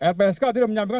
lpsk tidak menyampaikan